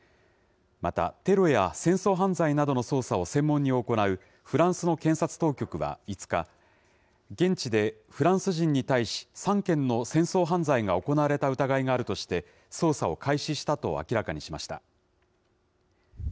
また、テロや戦争犯罪などの捜査を専門に行うフランスの検察当局は５日、現地でフランス人に対し、３件の戦争犯罪が行われた疑いがあるとして、捜査を開始したと明らかにしました。